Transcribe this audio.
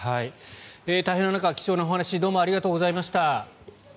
大変な中、貴重なお話どうもありがとうございました。